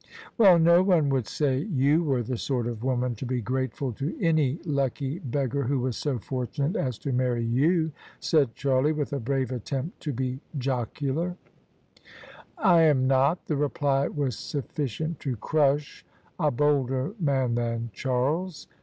"Well, no one would say you were the sort of woman to be grateful to any lucky beggar who was so fortunate as to marry you/' said Charlie, with a brave attempt to be jocular. [ 235 ] THE SUBJECTION " I am not" The reply was sufficient to crush a bolder man than Charles.